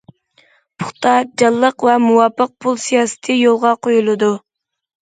پۇختا، جانلىق ۋە مۇۋاپىق پۇل سىياسىتى يولغا قويۇلىدۇ.